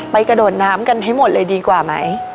กระโดดน้ำกันให้หมดเลยดีกว่าไหม